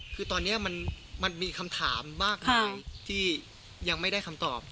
คือตอนนี้มันมีคำถามมากมายที่ยังไม่ได้คำตอบ